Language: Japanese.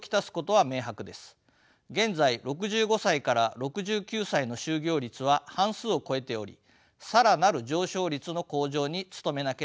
現在６５歳６９歳の就業率は半数を超えており更なる上昇率の向上に努めなければなりません。